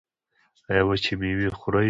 ایا وچې میوې خورئ؟